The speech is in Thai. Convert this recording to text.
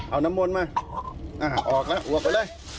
เอาน้ำมนต์มาออกแล้วอวกไปเลย